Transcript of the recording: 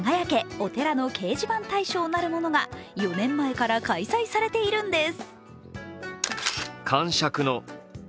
お寺の掲示板大賞」なるものが４年前から開催されているんです。